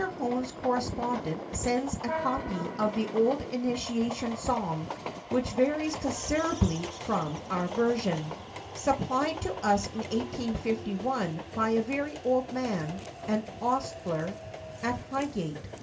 Hone's correspondent sends a copy of the old initiation song, which varies considerably from our version, supplied to us in 1851 by a very old man (an ostler) at Highgate.